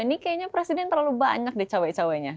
ini kayaknya presiden terlalu banyak deh cewek ceweknya